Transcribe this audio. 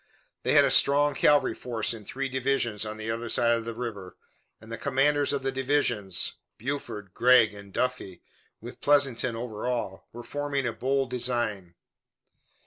They had a strong cavalry force in three divisions on the other side of the river, and the commanders of the divisions, Buford, Gregg and Duffie, with Pleasanton over all, were forming a bold design.